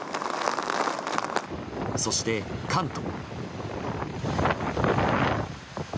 そして、関東。